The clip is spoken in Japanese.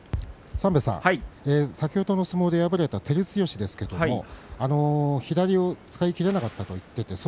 先ほどの相撲で敗れた照強ですが左を使い切れなかったと言っていました。